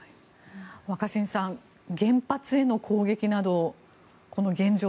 若新さん原発への攻撃などこの現状